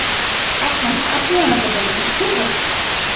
এখন আপনি আমাকে বলুন, কী হচ্ছে?